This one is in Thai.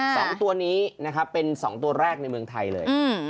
สองตัวนี้นะครับเป็นสองตัวแรกในเมืองไทยเลย